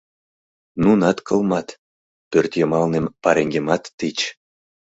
Нунат кылмат, пӧртйымалнем пареҥгемат тич.